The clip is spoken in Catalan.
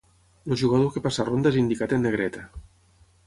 El jugador que passa ronda és indicat en negreta.